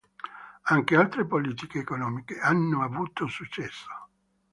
Anche altre politiche economiche hanno avuto successo.